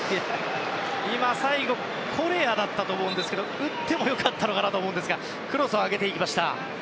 今、最後、コレアだったと思うんですが打っても良かったのかなと思いましたがクロスを上げました。